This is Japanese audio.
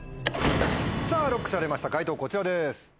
さぁＬＯＣＫされました解答こちらです。